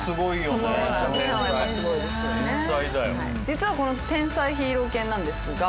実はこの天才ヒーロー犬なんですが。